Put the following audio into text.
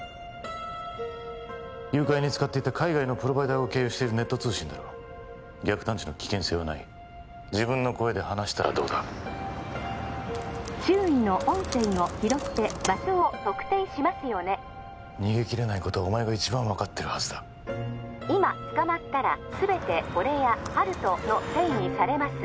誘拐に使っていた海外のプロバイダーを経由しているネット通信だろ逆探知の危険性はない自分の声で話したらどうだ☎周囲の音声を拾って場所を特定しますよね逃げ切れないことはお前が一番分かってるはずだ☎今捕まったらすべて俺や温人のせいにされます